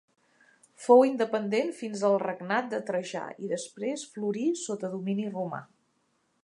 Fou independent fins al regnat de Trajà, i després florí sota domini romà.